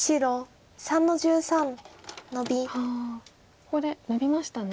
ここでノビましたね。